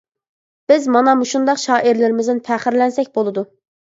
بىز مانا مۇشۇنداق شائىرلىرىمىزدىن پەخىرلەنسەك بولىدۇ.